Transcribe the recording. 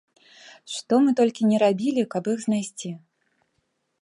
Што мы толькі не рабілі, каб іх знайсці.